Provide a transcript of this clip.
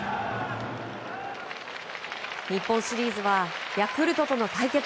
日本シリーズはヤクルトとの対決。